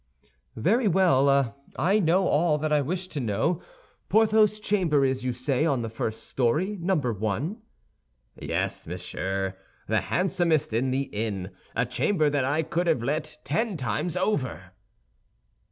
"Very well; I know all that I wish to know. Porthos's chamber is, you say, on the first story, Number One?" "Yes, monsieur, the handsomest in the inn—a chamber that I could have let ten times over."